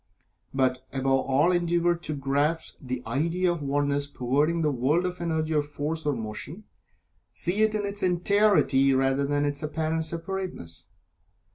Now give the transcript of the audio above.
But above all endeavor to grasp the idea of the Oneness pervading the world of Energy or Force, or Motion. See it in its entirety, rather than in its apparent separateness.